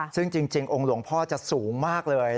ซึ่งจริงองค์หลวงพ่อจะสูงมากเลย